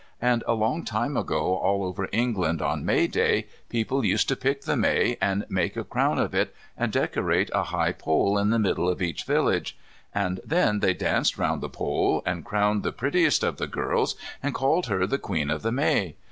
And a long time ago all over England on May Day people used to pick the May and make a crown of it and decorate a high pole in the middle of each village. And then they danced round the pole, and crowned the prettiest of the girls and called her the Queen of the May.